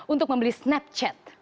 untuk membeli snapchat